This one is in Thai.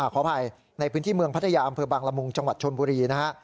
ขออภัยในพื้นที่เมืองพัทยาอำเภอบางละมุงจังหวัดชนบุรีนะฮะ